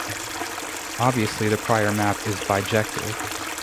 Obviously the prior map is bijective.